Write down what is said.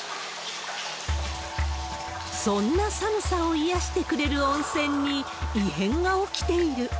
そんな寒さを癒やしてくれる温泉に、異変が起きている。